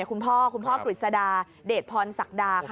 คุณพ่อคุณพ่อกฤษดาเดชพรศักดาค่ะ